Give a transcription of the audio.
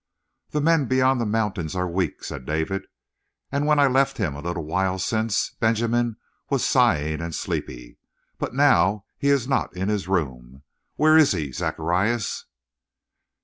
"The men beyond the mountains are weak," said David, "and when I left him a little time since Benjamin was sighing and sleepy. But now he is not in his room. Where is he, Zacharias?"